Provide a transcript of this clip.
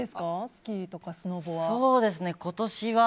スキーとかスノボは。